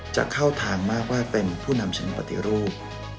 จะเข้าทางมากว่าเป็นผู้นำเสนอปฏิรูป